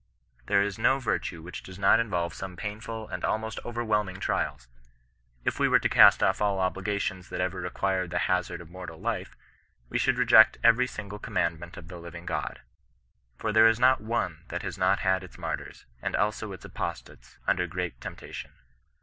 There is no virtue which does not involve some painful and almost overwhelming trials. If we were to cast off all obligations that ever required the hazard of mortal life, we should reject every single commandment of the living God. For there is not one that has not had its martyrs, and also its apostates, un der great temptation.